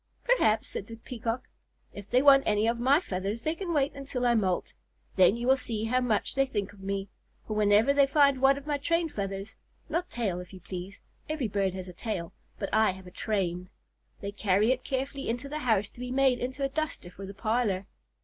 "Perhaps," said the Peacock. "If they want any of my feathers, they can wait until I moult. Then you will see how much they think of me, for whenever they find one of my train feathers (not tail, if you please; every bird has a tail, but I have a train) they carry it carefully into the house to be made into a duster for the parlor.